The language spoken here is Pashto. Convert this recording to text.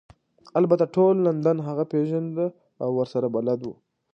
البته ټول لندن هغه پیژنده او ورسره بلد وو